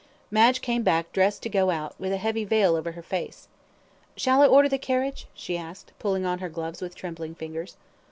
Madge came back dressed to go out, with a heavy veil over her face. "Shall I order the carriage?" she asked, pulling on her gloves with trembling fingers.